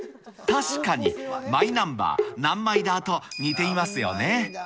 確かに、マイナンバー、ナンマイダーと似ていますよね。